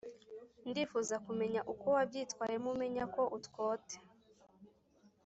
ndifuza kumenya uko wabyitwayemo umenya ko utwote